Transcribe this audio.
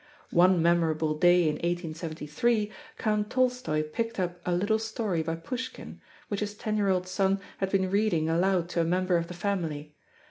One memorable day in 1873, Count Tolstoi picked up a little story by Pushkin, which his ten year old son had been reading aloud to a member of the family.